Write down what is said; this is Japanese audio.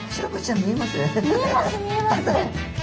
見えます見えます。